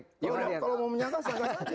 kalau mau menyangka silahkan